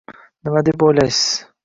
Nima deb o‘ylaysiz?